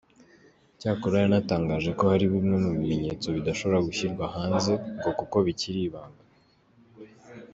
Cyakora yanatangaje ko hari bimwe mu bimenyetso bidashobora gushyirwa hanze ngo kuko bikiri ibanga.